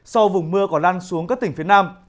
sau vùng mưa còn lan xuống các tỉnh phía nam